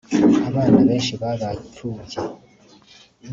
abana benshi babaye imfubyi